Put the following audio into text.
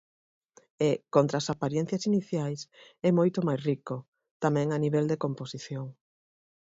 E, contra as aparencias iniciais, é moito máis rico, tamén a nivel de composición.